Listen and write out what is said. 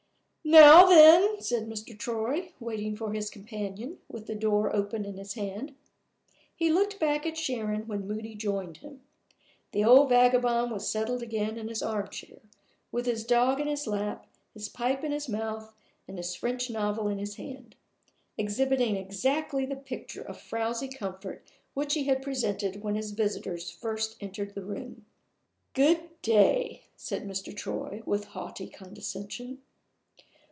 "Now, then!" said Mr. Troy, waiting for his companion, with the door open in his hand. He looked back at Sharon when Moody joined him. The old vagabond was settled again in his armchair, with his dog in his lap, his pipe in his mouth, and his French novel in his hand; exhibiting exactly the picture of frowzy comfort which he had presented when his visitors first entered the room. "Good day," said Mr. Troy, with haughty condescension.